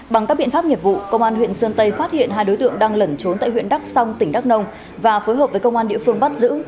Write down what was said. bằng các biện pháp nghiệp vụ công an huyện sơn tây phát hiện hai đối tượng đang lẩn trốn tại huyện đắk song tỉnh đắk nông và phối hợp với công an địa phương bắt giữ